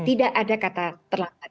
tidak ada kata terlambat